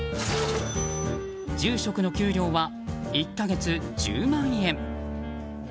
住職の給料は、１か月１０万円。